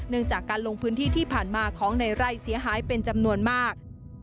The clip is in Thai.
จากการลงพื้นที่ที่ผ่านมาของในไร่เสียหายเป็นจำนวนมาก